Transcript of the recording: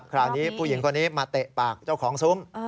คราวนี้ผู้หญิงคนนี้มาเตะปากเจ้าของซุ้ม